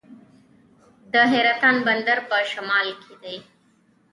د حیرتان بندر په شمال کې دی